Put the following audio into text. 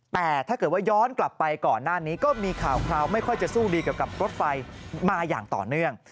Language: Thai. แต่ถ้าเกิดว่าย้อนกลับไปก่อนหน้านี้ก็มีข่าวคราวไม่ค่อยจะสู้ดีเกี่ยวกับรถไฟมาอย่างต่อเนื่อง